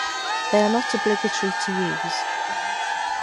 They are not obligatory to use.